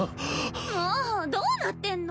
もうどうなってんの！？